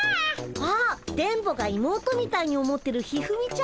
あっ電ボが妹みたいに思ってる一二三ちゃん。